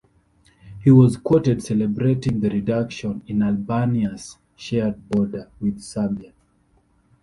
He was quoted celebrating the reduction in Albania's shared border with Serbia.